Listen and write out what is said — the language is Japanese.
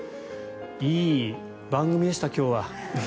いい番組でした、今日は。